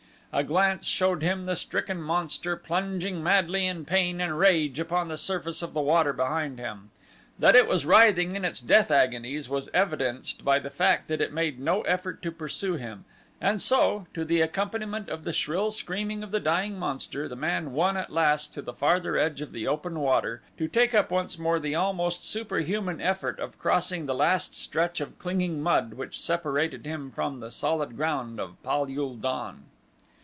A glance showed him the stricken monster plunging madly in pain and rage upon the surface of the water behind him. That it was writhing in its death agonies was evidenced by the fact that it made no effort to pursue him, and so, to the accompaniment of the shrill screaming of the dying monster, the man won at last to the farther edge of the open water to take up once more the almost superhuman effort of crossing the last stretch of clinging mud which separated him from the solid ground of Pal ul don.